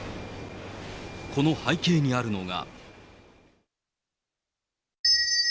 この背景にあるのが。